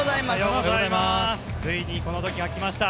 ついにこの時が来ました。